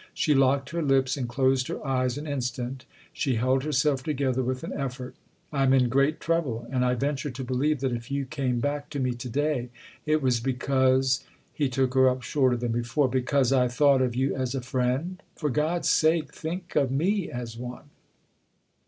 She locked her lips and closed her eyes an instant ; she held herself together with an effort. " I'm in great trouble, and I venture to believe that if you came back to me to day it was because " He took her up shorter than before. " Because I thought of you as a friend ? For God's sake, think of me as one